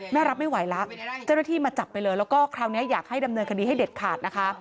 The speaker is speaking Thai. รับไม่ไหวแล้วเจ้าหน้าที่มาจับไปเลยแล้วก็คราวนี้อยากให้ดำเนินคดีให้เด็ดขาดนะคะ